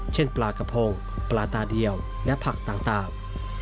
เช่นปลากระพงปลาตาเดียวและผักต่าง